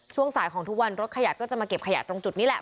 ช่วงสายของทุกวันรถขยะก็จะมาเก็บขยะตรงจุดนี้แหละ